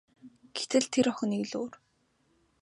Гэтэл тэр охин нэг л өөр.